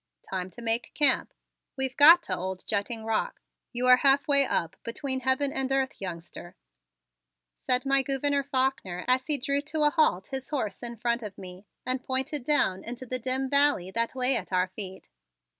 "Time to make camp. We've got to old Jutting Rock. You are halfway up between heaven and earth, youngster," said my Gouverneur Faulkner as he drew to a halt his horse in front of me and pointed down into the dim valley that lay at our feet.